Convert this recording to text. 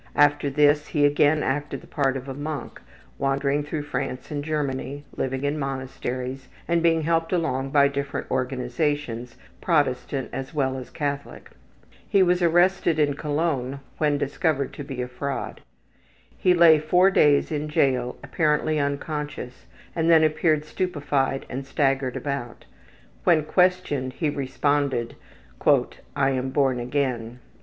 After this he again acted the part of a monk, wandering through France and Germany, living in monasteries, and being helped along by different organizations, Protestant as well as Catholic. He was arrested in Cologne when discovered to be a fraud. He lay four days in jail apparently unconscious and then appeared stupefied and staggered about. When questioned he responded, ``I am born again.''